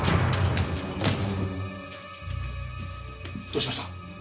どうしました！？